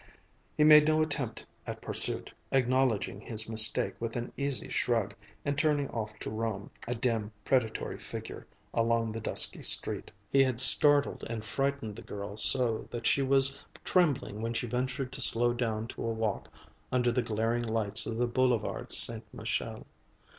He made no attempt at pursuit, acknowledging his mistake with an easy shrug and turning off to roam, a dim, predatory figure, along the dusky street. He had startled and frightened the girl so that she was trembling when she ventured to slow down to a walk under the glaring lights of the Boulevard St. Michel.